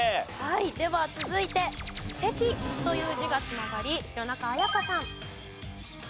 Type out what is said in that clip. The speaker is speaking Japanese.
では続いて「席」という字が繋がり弘中綾香さん。